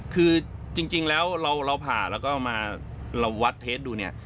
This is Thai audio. คือจริงแล้วเราผ่าแล้วก็มาเราวัดเทสดูเนี่ย